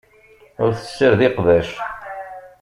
Ur tessared iqbac.